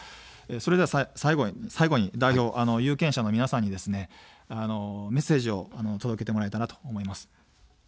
それでは最後に代表、有権者の皆さんにメッセージを届けてもらえたらと思います。